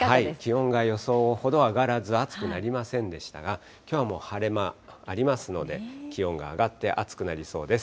気温が予想より上がらず、暑くなりませんでしたが、きょうは晴れ間ありますので、気温が上がって、暑くなりそうです。